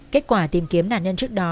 kết quả tìm kiếm nạn nhân trước đó